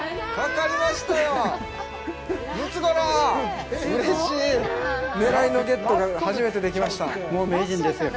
かかりましたよ！